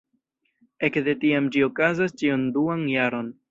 Ekde tiam ĝi okazas ĉiun duan jaron.